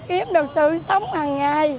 để kiếm được sự sống hằng ngày